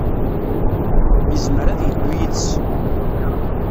Yezmer ad yeddu yid-s.